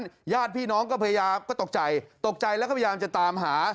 ญาติพี่น้องก็พยายามก็ตกใจตกใจแล้วก็พยายามจะตามหา